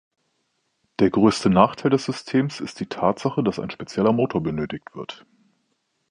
Der größte Nachteil des Systems ist die Tatsache, dass ein spezieller Motor benötigt wird.